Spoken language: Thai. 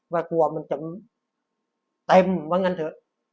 กลัวมันจะเต็มว่างั้นเถอะ